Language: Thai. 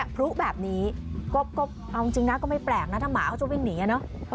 พลุแบบนี้ก็เอาจริงนะก็ไม่แปลกนะถ้าหมาเขาจะวิ่งหนี